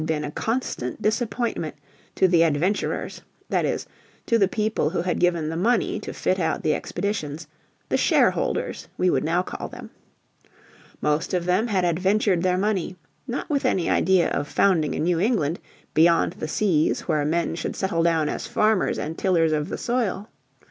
been a constant disappointment to the "adventurers" that is, to the people who had given the money to fit out the expeditions the shareholders we would now call them. Most of them had adventured their money, not with any idea of founding a New England beyond the seas where men should settle down as farmers and tillers of the soil.